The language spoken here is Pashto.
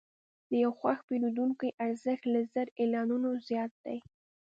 د یو خوښ پیرودونکي ارزښت له زر اعلانونو زیات دی.